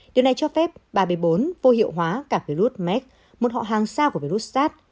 điều này cho phép ba b bốn vô hiệu hóa cả virus mek một họ hàng sao của virus sars